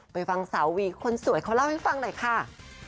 ไปฟังสาววีคนสวยเขาเล่าให้ฟังหน่อยค่ะ